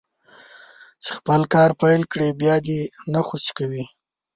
چې خپل کار پيل کړي بيا دې يې نه خوشي کوي.